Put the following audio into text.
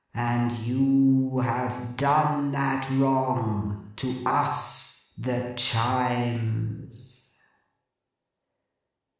And you have done that wrong, to us, the Chimes.